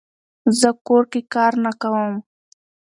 زه کور کې کار نه کووم